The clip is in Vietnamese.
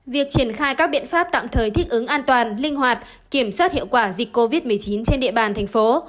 việc triển khai các biện pháp tạm thời thích ứng an toàn linh hoạt kiểm soát hiệu quả dịch covid một mươi chín trên địa bàn thành phố